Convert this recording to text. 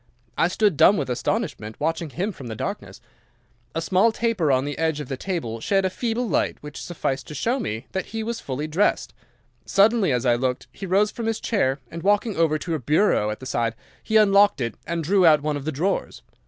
I stood dumb with astonishment, watching him from the darkness. A small taper on the edge of the table shed a feeble light which sufficed to show me that he was fully dressed. Suddenly, as I looked, he rose from his chair, and walking over to a bureau at the side, he unlocked it and drew out one of the drawers.